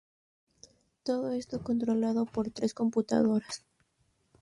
Todo esto controlado por tres computadoras.